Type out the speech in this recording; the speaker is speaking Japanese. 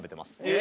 え！